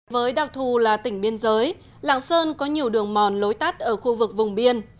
với đặc thù là tỉnh biên giới lạng sơn có nhiều đường mòn lối tắt ở khu vực vùng biên